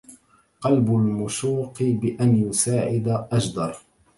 قلب المشوق بأن يساعد أجدر